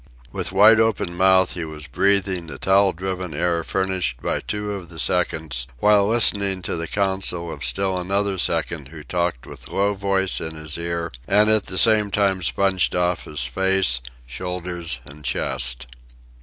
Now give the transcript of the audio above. With wide open mouth he was breathing the towel driven air furnished by two of the seconds, while listening to the counsel of still another second who talked with low voice in his ear and at the same time sponged off his face, shoulders, and chest.